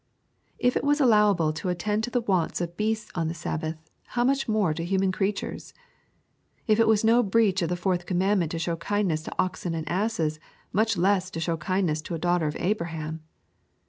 *' If it was allowable tc attend to the wants of beasts on the Sabbath, how much more to human creatures 1 If it was no breach of the fourth commandment to show kindness to oxen and asses, much less to show kindness to a daughter of Abraham.